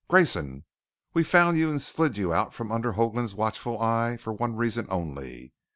"Grayson, we found you and slid you out from under Hoagland's watchful eye for one reason only.